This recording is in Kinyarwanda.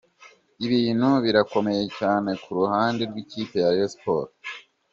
' Ibintu birakomeye cyane ku ruhande rw' ikipe ya Rayon Sports.